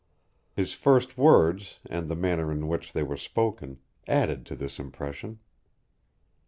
His first words, and the manner in which they were spoken, added to this impression.